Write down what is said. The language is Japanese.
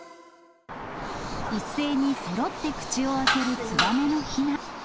一斉にそろって口を開けるツバメのひな。